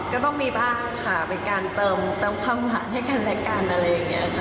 ก็ต้องมีบ้างค่ะเป็นการเติมความหวานให้กันและกันอะไรอย่างนี้ค่ะ